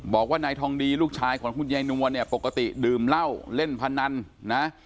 บอกว่านายทองดีลูกชายของคุณยายนวลเนี่ยปกติดื่มเหล้าเล่นพนันนะ